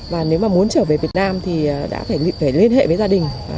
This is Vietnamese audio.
và nếu mà muốn trở về việt nam thì đã phải liên hệ với gia đình